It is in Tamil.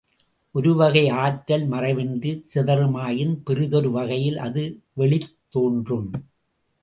ஒரு வகை ஆற்றல் மறைவின்றிச் சிதறுமாயின், பிறிதொரு வகையில் அது வெளித் தோன்றும்.